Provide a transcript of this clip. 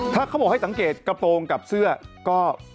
ถ้าเขาบอกให้สังเกตกระโปรงกับเสื้อก็